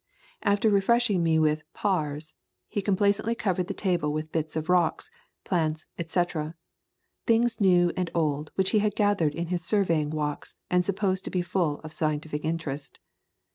After refreshing me with "parrs" he compla cently covered the table with bits of rocks, plants, et cetera, things new and old which he had gathered in his surveying walks and sup posed to be full of scientific interest.